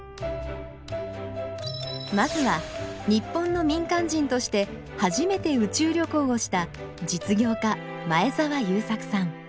まずは日本の民間人として初めて宇宙旅行をした実業家前澤友作さん